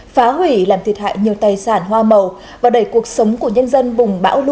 phá hủy làm thiệt hại nhiều tài sản hoa mậu